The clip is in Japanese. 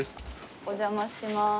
お邪魔します。